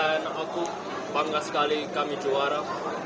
dan aku bangga sekali kami juara